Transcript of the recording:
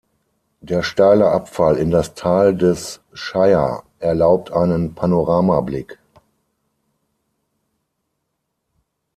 Der steile Abfall in das Tal des Shire erlaubt einen Panoramablick.